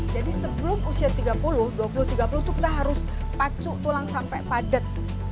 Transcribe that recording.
jadi sebelum usia tiga puluh dua puluh tiga puluh itu kita harus pacuk tulang sampai padat